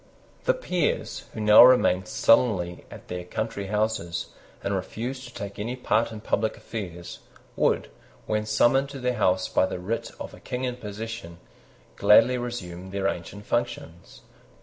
The peers, who now remained sullenly at their country houses, and refused to take any part in public affairs, would, when summoned to their House by the writ of a King in possession, gladly resume their ancient functions.